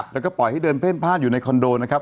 แล้วก็ปล่อยให้เดินเพ่นพลาดอยู่ในคอนโดนะครับ